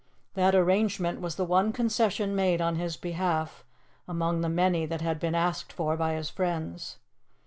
That arrangement was the one concession made on his behalf among the many that had been asked for by his friends.